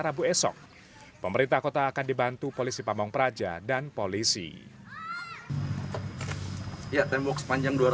rabu esok pemerintah kota akan dibantu polisi pamung praja dan polisi ya tembok sepanjang